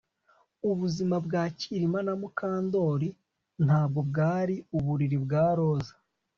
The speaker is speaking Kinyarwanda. Ubuzima bwa Kirima na Mukandoli ntabwo bwari uburiri bwa roza